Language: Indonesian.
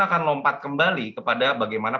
akan lompat kembali kepada bagaimana